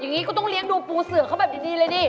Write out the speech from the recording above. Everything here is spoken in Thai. อย่างนี้ก็ต้องเลี้ยงดูปูเสือเขาแบบดีเลยนี่